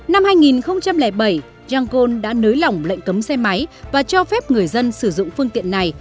năm hai nghìn bảy yangon đã nới lỏng lệnh cấm xe máy và cho phép người dân sử dụng phương tiện này